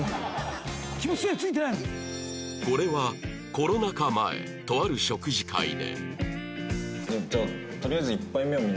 これはコロナ禍前とある食事会で